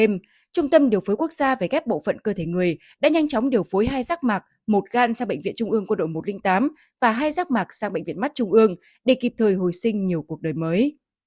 trung tâm điều phối quốc gia về ghép bộ phận cơ thể người đã nhanh chóng điều phối hai rác mạc một gan sang bệnh viện trung ương quân đội một trăm linh tám và hai giác mạc sang bệnh viện mắt trung ương để kịp thời hồi sinh nhiều cuộc đời mới